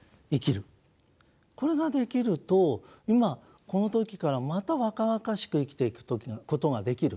これができると今この時からまた若々しく生きていくことができる。